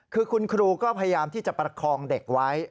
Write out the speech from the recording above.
คือคุณครูก็พยายามที่จะประคองเด็กไว้